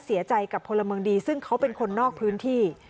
เสียใจกับพลเมืองดีซึ่งเขาเป็นคนนอกพื้นที่